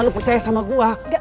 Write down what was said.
lo percaya sama gua